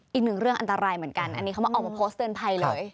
อีกหนึ่งเรื่องอันตรายเหมือนกันอันนี้เขามาออกมาโพสต์เตือนภัยเลย